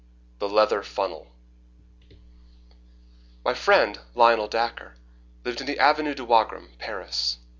The Leather Funnel My friend, Lionel Dacre, lived in the Avenue de Wagram, Paris.